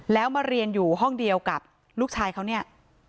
แล้วมาเรียนอยู่ห้องเดียวกับลูกชายเขาเนี่ย